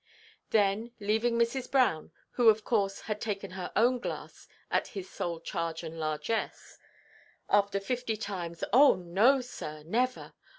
Then, leaving Mrs. Brown (who, of course, had taken her own glass at his sole charge and largesse, after fifty times "Oh no, sir, never!